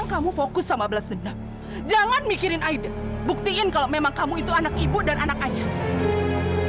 kalau memang kamu itu anak ibu dan anak ayah